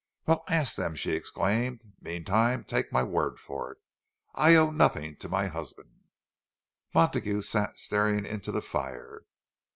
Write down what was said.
"Well, ask them!" she exclaimed. "Meantime, take my word for it—I owe nothing to my husband." Montague sat staring into the fire.